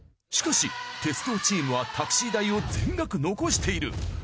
しかし鉄道チームはタクシー代を全額残している。